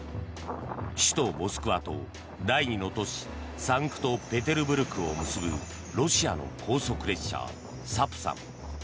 首都モスクワと第２の都市サンクトペテルブルグを結ぶロシアの高速列車「サプサン」。